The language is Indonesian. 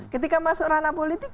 ketika masuk ranah politik